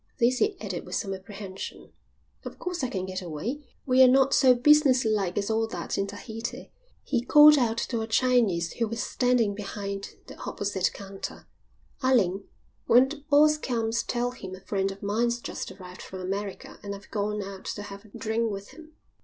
This he added with some apprehension. "Of course I can get away. We're not so businesslike as all that in Tahiti." He called out to a Chinese who was standing behind the opposite counter. "Ah Ling, when the boss comes tell him a friend of mine's just arrived from America and I've gone out to have a drain with him."